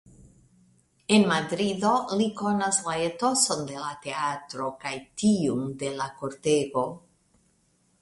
En Madrido li konas la etoson de la teatro kaj tiun de la kortego.